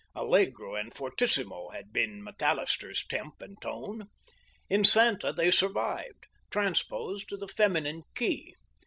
Allegro and fortissimo had been McAllister's temp and tone. In Santa they survived, transposed to the feminine key.